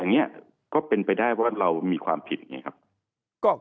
อันเนี่ยก็เป็นไปได้ว่าเรามีความผิดไงครับ